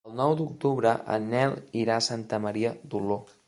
El nou d'octubre en Nel irà a Santa Maria d'Oló.